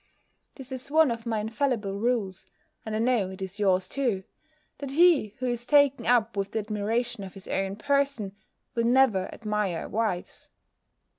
This is one of my infallible rules, and I know it is yours too; that he who is taken up with the admiration of his own person, will never admire a wife's.